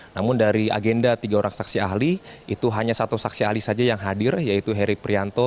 namun dari agenda tiga orang saksi ahli itu hanya satu saksi ahli saja yang hadir yaitu heri prianto